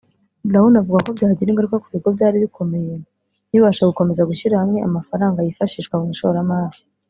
Browne avuga ko byagira ingaruka ku bigo byari bikomeye ntibibashe gukomeza gushyira hamwe amafaranga yifashishwa mu ishoramari